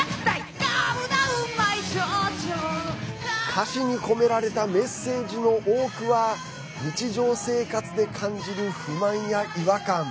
歌詞に込められたメッセージの多くは日常生活で感じる不満や違和感。